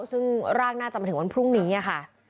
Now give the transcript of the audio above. ซึ่งร่างน่าจะมาถึงวันพรุ่งนี้ค่ะ